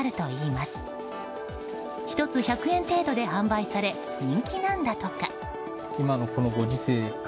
１つ１００円程度で販売され人気なんだとか。